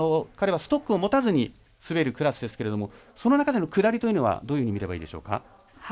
彼はストックを持たずに滑るクラスですけれどもその中での下りというのはどういうふうに見ればいいですか。